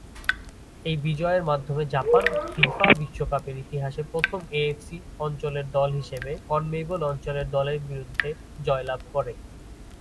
এই বিজয়ের মাধ্যমে জাপান ফিফা বিশ্বকাপের ইতিহাসে প্রথম এএফসি অঞ্চলের দল হিসেবে কনমেবল অঞ্চলের দলের বিরুদ্ধে জয়লাভ করে।